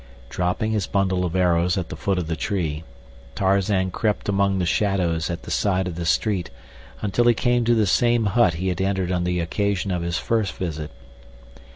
Dropping his bundle of arrows at the foot of the tree, Tarzan crept among the shadows at the side of the street until he came to the same hut he had entered on the occasion of his first visit.